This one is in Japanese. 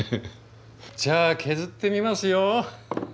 じゃあ削ってみますよ。